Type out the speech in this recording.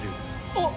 あっ！